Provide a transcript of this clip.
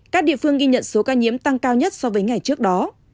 các địa phương ghi nhận số ca nhiễm tăng cao nhất so với ngày trước đó